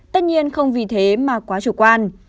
tất nhiên không vì thế mà quá chủ quan